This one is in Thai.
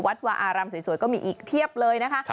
วาอารามสวยก็มีอีกเพียบเลยนะคะ